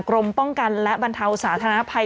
กรมป้องกันและบรรเทาสาธารณภัย